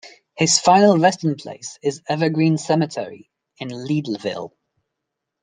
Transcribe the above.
His final resting place is Evergreen Cemetery in Leadville.